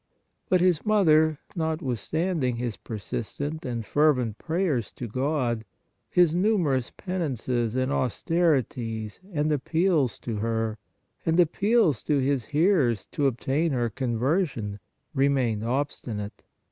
But his mother, notwithstanding his persistent and fervent prayers to God, his numerous penances and austerities and appeals to her, and appeals to his hearers to obtain her conversion, remained obstinate.